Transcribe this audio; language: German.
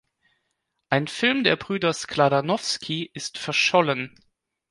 Ein Film der Brüder Skladanowsky ist verschollen.